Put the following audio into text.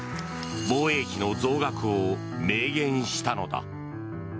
防衛費の増額を明言したのだ。